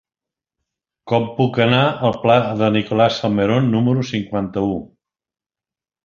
Com puc anar al pla de Nicolás Salmerón número cinquanta-u?